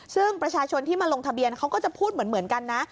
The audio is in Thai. ซึ่งประชาชนที่มาลงทะเบียนเขาก็จะพูดเหมือนกันนะ